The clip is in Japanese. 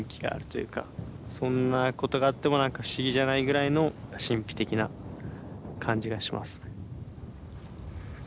そんなことがあっても何か不思議じゃないぐらいの神秘的な感じがしますね。